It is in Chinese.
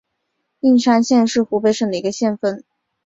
应山县是湖北省的一个县份。